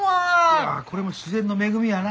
いやあこれも自然の恵みやな。